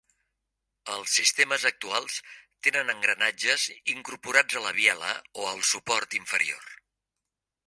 Els sistemes actuals tenen engranatges incorporats a la biela o al suport inferior.